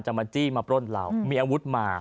มาจี้มาปล้นเรามีอาวุธมา